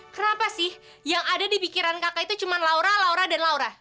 kenapa sih yang ada di pikiran kakak itu cuma laura laura dan laura